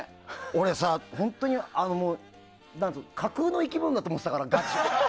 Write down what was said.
俺さ、本当に架空の生き物だと思ってたから。